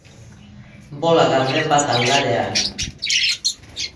Bola garden bat aldarean.